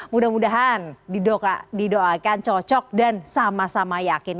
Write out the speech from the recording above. mudah mudahan didoakan cocok dan sama sama yakin